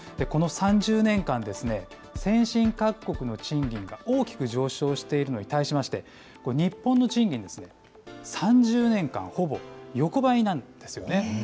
この３０年間、先進各国の賃金が大きく上昇しているのに対しまして、日本の賃金、３０年間、ほぼ横ばいなんですよね。